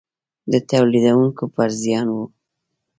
د تولیدوونکو پر زیان و.